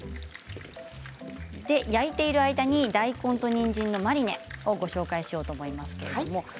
焼いている間に大根とにんじんのマリネをご紹介したいと思います。